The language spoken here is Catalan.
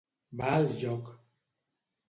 Va el joc.